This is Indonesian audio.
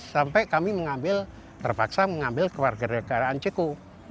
sampai kami terpaksa mengambil keluarga negaraan ceku